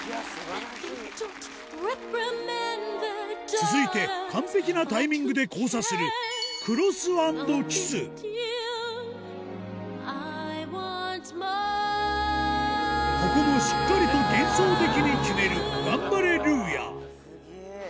続いて完璧なタイミングで交差するここもしっかりと幻想的に決めるガンバレルーヤスゲェ！